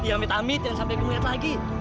amit amit dan sampai gemet lagi